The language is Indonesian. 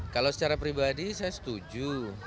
kalau secara pribadi saya setuju